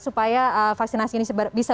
supaya vaksinasi ini bisa